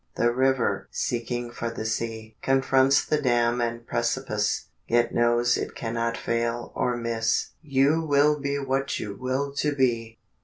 The river seeking for the sea Confronts the dam and precipice, Yet knows it cannot fail or miss; _You will be what you will to be!